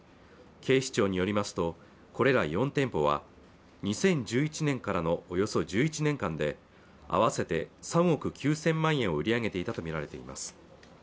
警視庁によりますとこれら４店舗は２０１１年からのおよそ１１年間で合わせて３億９０００万円を売り上げていたと見られています